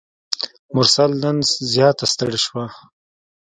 مرسل نن زیاته ستړي شوه.